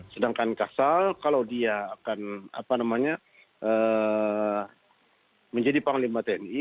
sedangkan kasal kalau dia akan menjadi panglima tni